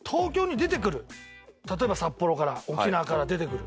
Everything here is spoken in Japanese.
例えば札幌から沖縄から出てくる。